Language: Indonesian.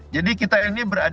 jadi kita ini berakhir